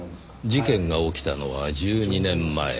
事件が起きたのは１２年前。